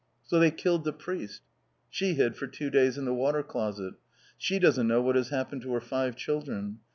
"So they killed the priest!" "She hid for two days in the water closet." "She doesn't know what has happened to her five children."